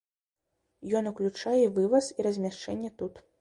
Ён уключае і вываз і размяшчэнне тут.